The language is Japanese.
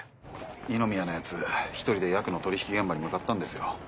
二宮のヤツ１人でヤクの取引現場に向かったんですよ。